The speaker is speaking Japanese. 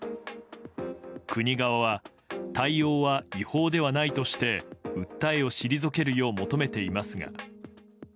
国側は対応は違法ではないとして訴えを退けるよう求めていますが。